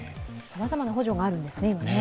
さまざまな補助があるんですね、今ね。